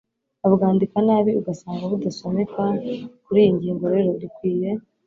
babwandika nabi ugasanga budasomeka. kuri iyi ngingo rero dukwiye